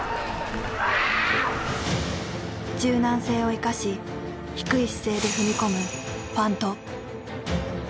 柔軟性を生かし低い姿勢で踏み込む「ファント」。